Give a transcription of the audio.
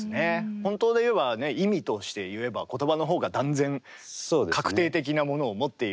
本当で言えば意味として言えば言葉のほうが断然確定的なものを持っている。